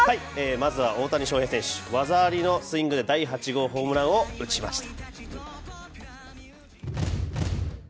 まずは大谷選手技ありのスイングで第８号ホームランを打ちました。